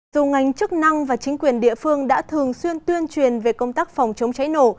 dù ngành chức năng và chính quyền địa phương đã thường xuyên tuyên truyền về công tác phòng chống cháy nổ